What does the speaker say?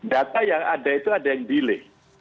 data yang ada itu ada yang delay